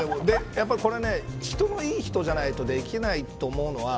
やっぱり、これ人もいい人じゃないとできないと思う。